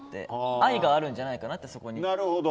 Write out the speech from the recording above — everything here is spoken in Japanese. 愛があるんじゃないかなって